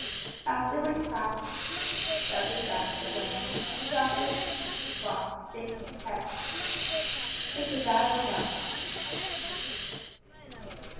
After which passionate speech Dudley dashed away, and the doctor continued his walk shaking his head and muttering, "It's a bad lookout for the little fellow!"